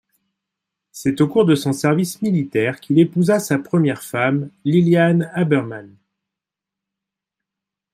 C’est au cours de son service militaire qu’il épousa sa première femme, Lillian Aberman.